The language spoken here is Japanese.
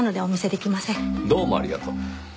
どうもありがとう。